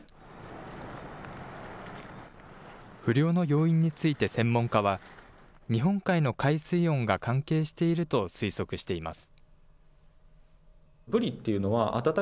不漁の要因について、専門家は、日本海の海水温が関係していると推測しています。